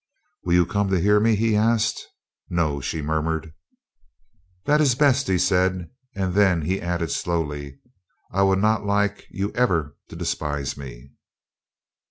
"Will you come to hear me?" he asked. "No," she murmured. "That is best," he said, and then he added slowly, "I would not like you ever to despise me."